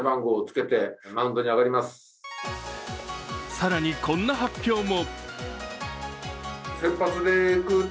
更に、こんな発表も。